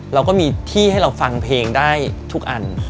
เราก็มีที่ให้เราฟังเพลงได้ทุกอัน